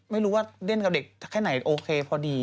ไม่รู้ว่าเล่นกับเด็กแค่ไหนโอเคพอดี